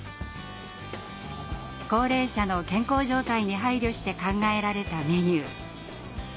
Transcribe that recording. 高齢者の健康状態に配慮して考えられたメニュー。